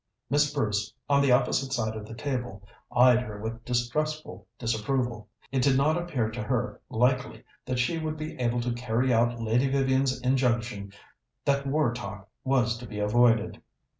Miss Bruce, on the opposite side of the table, eyed her with distrustful disapproval. It did not appear to her likely that she would be able to carry out Lady Vivian's injunction that war talk was to be avoided.